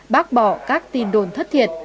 bác bỏ các tin đồn thất thiệt